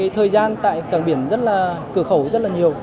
thời gian tại cảng biển cửa khẩu rất là nhiều